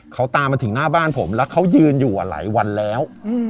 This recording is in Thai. เขาตามมาถึงหน้าบ้านผมแล้วเขายืนอยู่หลายวันแล้ว